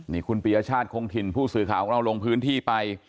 นี่คุณปียชาติคงถิ่นผู้สื่อข่าวของเราลงพื้นที่ไป